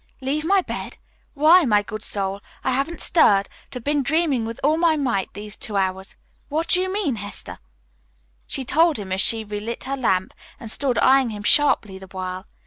"Leave my bed! Why, my good soul, I haven't stirred, but have been dreaming with all my might these two hours. What do you mean, Hester?" She told him as she relit her lamp, and stood eyeing him sharply the while.